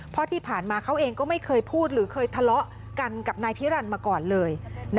เพราะที่ผ่านมาเขาเองก็ไม่เคยพูดหรือเคยทะเลาะกันกับนายพิรันดิมาก่อนเลย